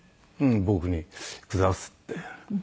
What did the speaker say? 僕にくだすって。